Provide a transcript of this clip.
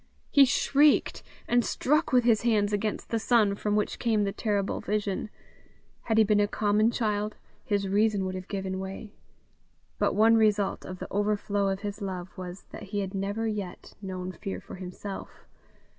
He shrieked, and struck with his hands against the sun from which came the terrible vision. Had he been a common child, his reason would have given way; but one result of the overflow of his love was, that he had never yet known fear for himself.